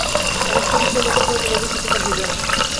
অবস্থার বিষয় গোপন করিলে রোগের প্রতিকার হইবে না।